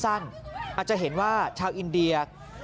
อาจจะเห็นว่าชาวอินเดีย